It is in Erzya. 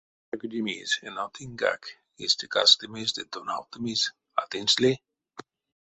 Чарькодемизь эно тыньгак: истя кастымизь ды тонавтымизь а тынсь ли?